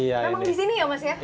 memang di sini ya mas ya